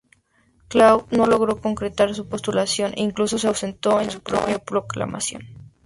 Claude no logró concretar su postulación e incluso se ausentó de su propia proclamación.